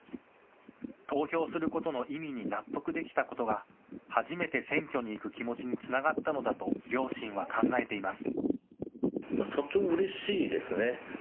投票することの意味に納得できたことが初めて選挙に行く気持ちにつながったのだと両親は考えています。